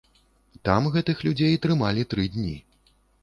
Там гэтых людзей трымалі тры дні.